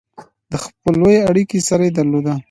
د خپلوۍ اړیکې یې سره درلودې.